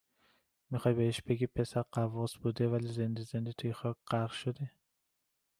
میخوای بهش بگی پسرت غواص بوده ولی زنده زنده توی خاک غرق شده؟